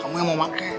kamu yang mau pakai